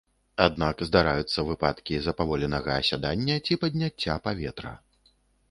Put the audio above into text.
Аднак здараюцца выпадкі запаволенага асядання ці падняцця паветра.